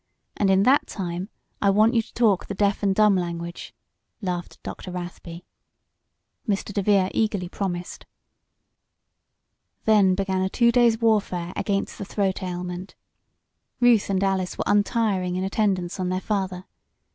And in that time I want you to talk the deaf and dumb language," laughed Dr. Rathby. Mr. DeVere eagerly promised. Then began a two days' warfare against the throat ailment. Ruth and Alice were untiring in attendance on their father.